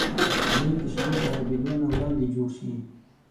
پنېر د شیدو خرابېدو نه وړاندې جوړ شي.